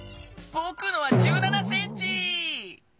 ぼくのは１７センチ！